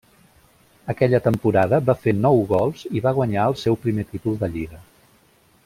Aquella temporada va fer nou gols i va guanyar el seu primer títol de lliga.